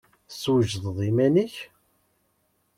Teswejdeḍ iman-ik?